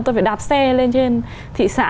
tôi phải đạp xe lên trên thị xã